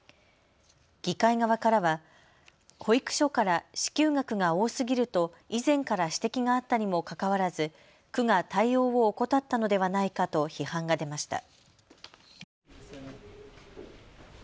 議会側からは保育所から支給額が多すぎると以前から指摘があったにもかかわらず区が対応を怠ったのではないかと批判が出ました。